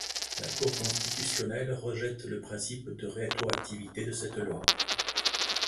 La Cour Constitutionnelle rejette le principe de rétroactivité de cette loi.